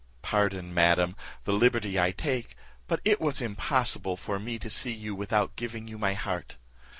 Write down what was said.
Pardon, madam, the liberty I take, but it was impossible for me to see you without giving you my heart.